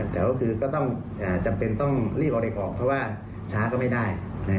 แต่ก็ต้องจำเป็นลีบเอาเด็กออกเพราะว่าช้าก็ไม่ได้